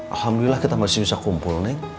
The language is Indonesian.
alhamdulillah kita gak bisa bisa kumpul neng